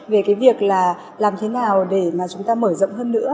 về cái việc là làm thế nào để mà chúng ta mở rộng hơn nữa